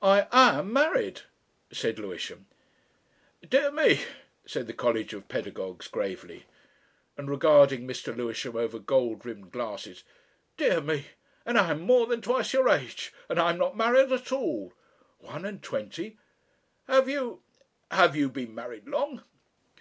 "I am married," said Lewisham. "Dear me," said the College of Pedagogues gravely, and regarding Mr. Lewisham over gold rimmed glasses. "Dear me! And I am more than twice your age, and I am not married at all. One and twenty! Have you have you been married long?"